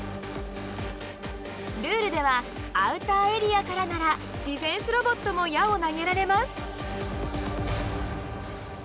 ルールではアウターエリアからならディフェンスロボットも矢を投げられます。